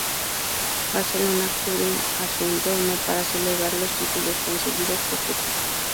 Barcelona acuden a su entorno para celebrar los títulos conseguidos por su equipo.